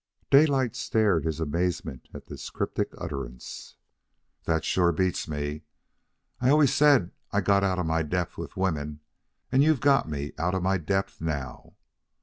Daylight stared his amazement at this cryptic utterance. "That sure beats me. I always said I got out of my depth with women, and you've got me out of my depth now.